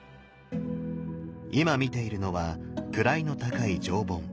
今見ているのは位の高い上品。